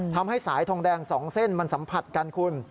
ทำให้สายทองแดง๒เส้นมันสัมผัสกันคุณ